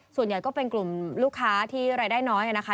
ส่วนใหญ่ก็เป็นกลุ่มลูกค้าที่รายได้น้อยนะคะ